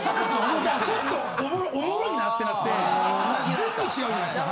ちょっとおもろいなってなって全部違うじゃないですか。